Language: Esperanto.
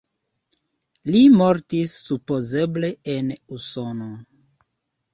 Li mortis supozeble en Usono.